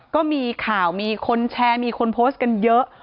ก็มีข่าวมีคนแชร์มีคนโพสต์กันเยอะ